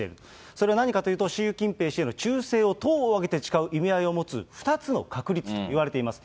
それは何かというと、習近平氏への忠誠を党を挙げて誓う意味合いを持つ２つの確立といわれています。